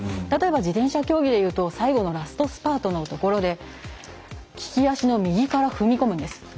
例えば、自転車競技でいうと最後のラストスパートのところで利き足の右から踏み込むんです。